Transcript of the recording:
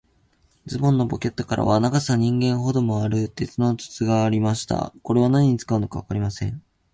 ズボンのポケットからは、長さ人間ほどもある、鉄の筒がありました。これは何に使うのかわかりません。